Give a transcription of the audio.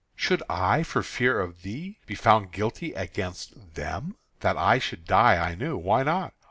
Should I, for fear of thee, be found guilty against them? That I should die I knew. Why not?